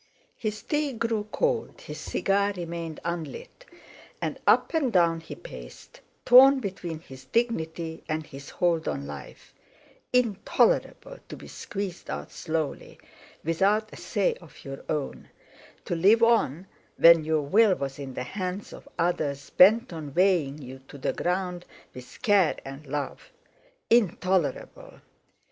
His tea grew cold, his cigar remained unlit; and up and down he paced, torn between his dignity and his hold on life. Intolerable to be squeezed out slowly, without a say of your own, to live on when your will was in the hands of others bent on weighing you to the ground with care and love. Intolerable!